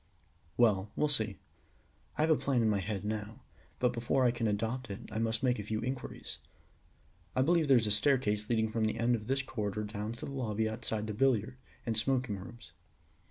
"Well, we'll see. I have a plan in my head now, but before I can adopt it I must make a few inquiries. I believe there is a staircase leading from the end of this corridor down to the lobby outside the billiard and smoking rooms.